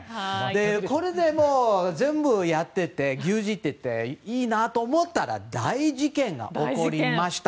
これでもう全部やってて牛耳ってていいなと思ったら大事件が起こりました。